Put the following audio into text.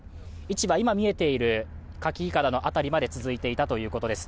今見えているかきいかだの辺りまで続いていたということです。